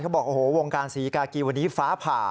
บอกโอ้โหวงการศรีกากีวันนี้ฟ้าผ่า